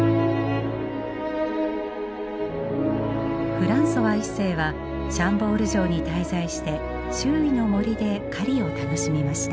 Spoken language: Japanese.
フランソワ一世はシャンボール城に滞在して周囲の森で狩りを楽しみました。